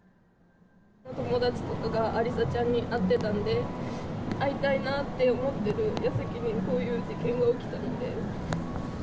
友達とかがありさちゃんに会ってたんで、会いたいなって思っているやさきにこういう事件が起きたので。